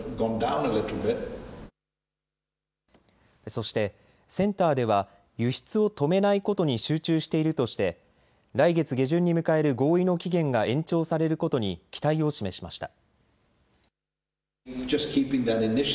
そしてセンターでは輸出を止めないことに集中しているとして来月下旬に迎える合意の期限が延長されることに期待を示しました。